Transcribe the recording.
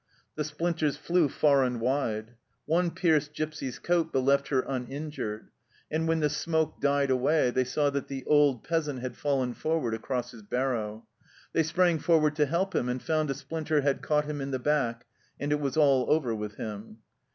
The splinters flew far and wide. One pierced Gipsy's coat, but left her uninjured ; and when the smoke died away they saw that the old peasant had fallen forward across his barrow. They sprang forward to help him, and found a splinter had caught him in the back, and it was all over with him.